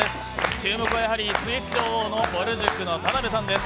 注目はスイーツ女王のぼる塾の田辺さんです。